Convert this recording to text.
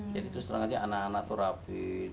jadi terus setelah itu anak anak tuh rapih